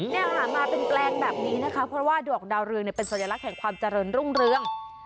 มาเป็นแปลงแบบนี้นะคะเพราะว่าดอกดาวเรืองเป็นสัญลักษณ์แห่งความเจริญรุ่งเรือง